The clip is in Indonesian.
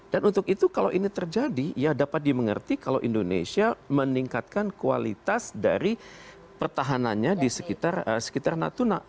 dan untuk itu kalau ini terjadi ya dapat dimengerti kalau indonesia meningkatkan kualitas dari pertahanannya di sekitar natuna